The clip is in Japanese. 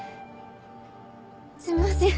すみません。